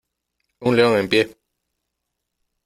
¡ un león en pie !...